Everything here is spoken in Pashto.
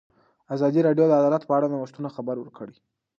ازادي راډیو د عدالت په اړه د نوښتونو خبر ورکړی.